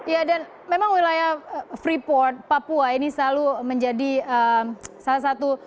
ya dan memang wilayah freeport papua ini selalu menjadi salah satu